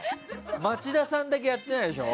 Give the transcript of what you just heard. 町田さんだけやってないでしょ。